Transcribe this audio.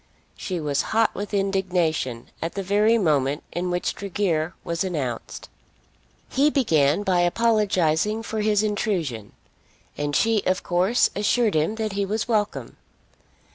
She was hot with indignation at the very moment in which Tregear was announced. He began by apologising for his intrusion, and she of course assured him that he was welcome.